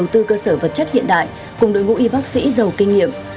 tư cơ sở vật chất hiện đại cùng đội ngũ y bác sĩ giàu kinh nghiệm